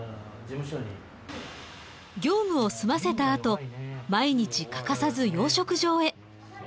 業務を済ませたあと毎日欠かさず養殖場へ。